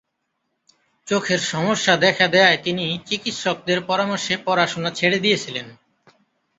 চোখের সমস্যা দেখা দেয়ায় তিনি চিকিৎসকদের পরামর্শে পড়াশোনা ছেড়ে দিয়েছিলেন।